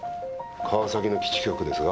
川崎の基地局ですが。